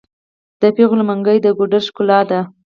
د پیغلو منګي د ګودر ښکلا ده.